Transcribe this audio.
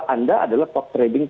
kita adalah partner trading